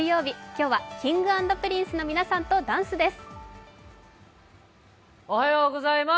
今日はＫｉｎｇ＆Ｐｒｉｎｃｅの皆さんとダンスです。